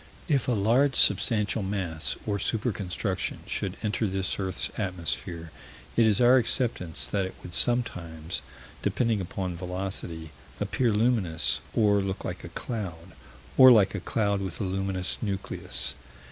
If a large substantial mass, or super construction, should enter this earth's atmosphere, it is our acceptance that it would sometimes depending upon velocity appear luminous or look like a cloud, or like a cloud with a luminous nucleus.